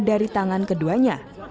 dari tangan keduanya